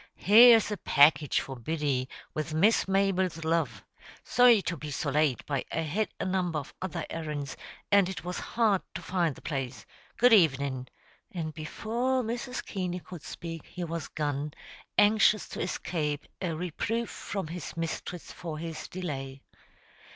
"Here's a package for Biddy, with Miss Mabel's love. Sorry to be so late, but I had a number of other errands, and it was hard to find the place. Good evenin'," and before Mrs. Keaney could speak, he was gone, anxious to escape a reproof from his mistress for his delay.